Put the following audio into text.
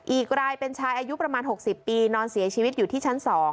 อีกรายเป็นชายอายุประมาณ๖๐ปีนอนเสียชีวิตอยู่ที่ชั้น๒